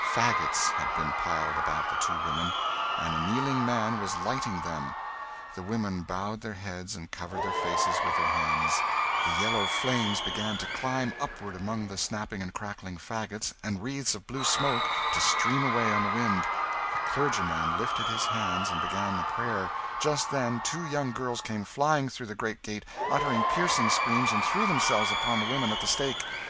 Faggots had been piled about the two women, and a kneeling man was lighting them! The women bowed their heads, and covered their faces with their hands; the yellow flames began to climb upward among the snapping and crackling faggots, and wreaths of blue smoke to stream away on the wind; the clergyman lifted his hands and began a prayer just then two young girls came flying through the great gate, uttering piercing screams, and threw themselves upon the women at the stake.